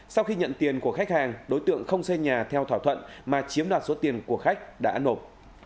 sau khi nhận tiền của khách hàng đối tượng không xây nhà theo thỏa thuận mà chiếm đoạt số tiền của khách đã nộp